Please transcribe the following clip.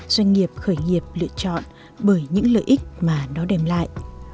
doanh nghiệp khởi nghiệp lựa chọn bởi những lợi ích mà nó đem lại